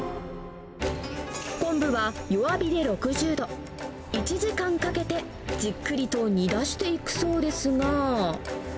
昆布は弱火で６０度、１時間かけてじっくりと煮出していくそうですが。